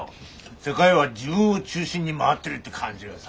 世界は自分を中心に回ってるって感じがさ。